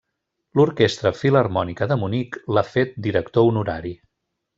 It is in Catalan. L'Orquestra Filharmònica de Munic l'ha fet Director Honorari.